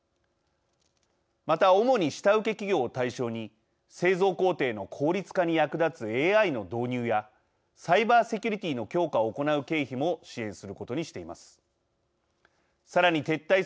また、主に下請け企業を対象に製造工程の効率化に役立つＡＩの導入やサイバーセキュリティーの強化を行う経費も支援することにしています。